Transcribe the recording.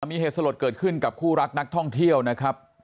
มีเหตุสลดเกิดขึ้นกับคู่รักนักท่องเที่ยวนะครับ